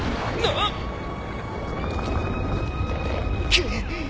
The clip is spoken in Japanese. くっ！